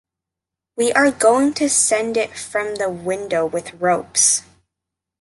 We are going to send it from the window with ropes.